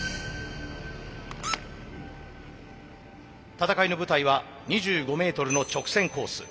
戦いの舞台は２５ｍの直線コース。